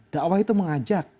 da'wah itu mengajak